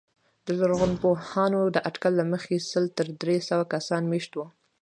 د لرغونپوهانو د اټکل له مخې سل تر درې سوه کسان مېشت وو